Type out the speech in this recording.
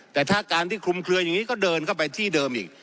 แต่ถ้าการที่คลุมเคลืออย่างนี้ก็เดินเข้าไปที่เดิมอีก